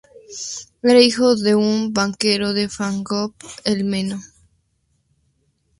Era hijo de un banquero de Fráncfort del Meno.